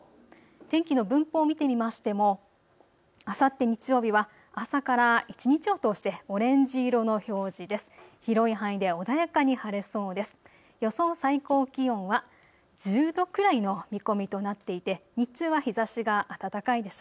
天気の分布を見てみましてもあさって日曜日は朝から一日を通してオレンジ色の表示です。